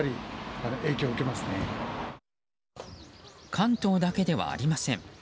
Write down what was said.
関東だけではありません。